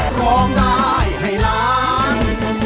ร้องได้ให้ล้าน